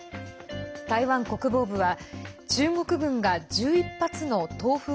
台湾国防部は中国軍が１１発の「東風」